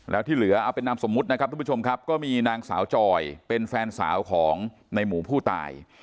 แล้วที่เหลือเอาเป็นนามสมมุตินะครับทุกผู้ชมครับก็มีนางสาวจอยเป็นแฟนสาวของในหมูผู้ตาย